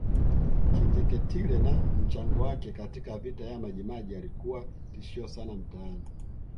Kinjeketile na mchango wake katika Vita ya Majimaji Alikuwa tishio sana mtaani